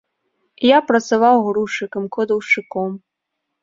Я працаваў грузчыкам, кладаўшчыком.